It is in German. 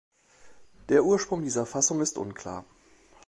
Der Ursprung dieser Fassung ist unklar.